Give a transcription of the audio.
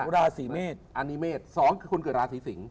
ราศีเมษ